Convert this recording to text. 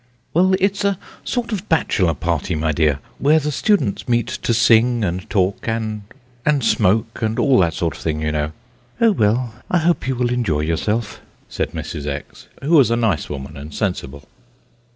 "Well, it's a sort of bachelor party, my dear, where the students meet to sing and talk and and smoke, and all that sort of thing, you know." "Oh, well, I hope you will enjoy yourself!" said Mrs. X., who was a nice woman and sensible.